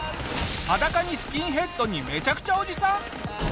裸にスキンヘッドにめちゃくちゃおじさん！